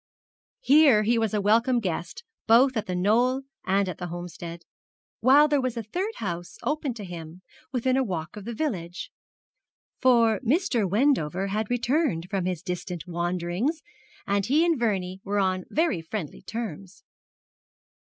Here he was a welcome guest both at the Knoll and at the Homestead; while there was a third house open to him within a walk of the village, for Mr. Wendover had returned from his distant wanderings, and he and Vernie were on very friendly terms.